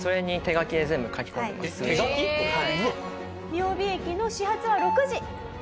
雅美駅の始発は６時。